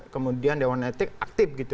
kemudian dewan etik aktif gitu